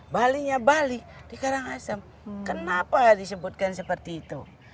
balinya bali di karangasem kenapa disebutkan seperti itu